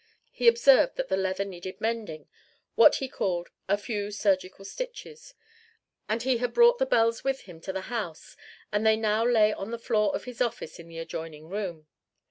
He observed that the leather needed mending what he called "a few surgical stitches"; and he had brought the bells with him to the house and they now lay on the floor of his office in the adjoining room.